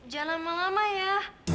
jangan mau lama ya